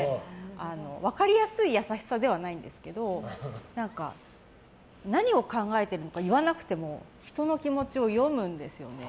分かりやすい優しさではないんですけど何を考えているのか言わなくても人の気持ちを読むんですよね。